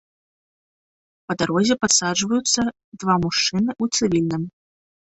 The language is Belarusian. Па дарозе падсаджваюцца два мужчыны ў цывільным.